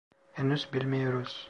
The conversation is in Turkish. Henüz bilmiyoruz.